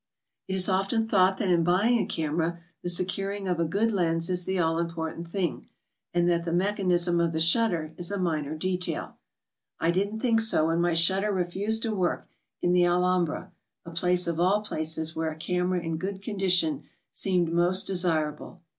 It is often thought that in buying a camera the securing' of a good lens is the all important thing, and that the mech anism of the shutter is a minor detail. I didn't think so when my shutter refused to work in the Alhambra, a place of all places where a camera in good condition seemed most desirable.